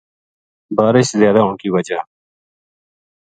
بارش زیادہ ہون کی وجہ